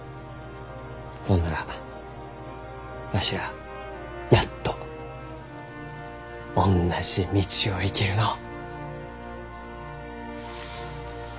ほんならわしらやっとおんなじ道を行けるのう。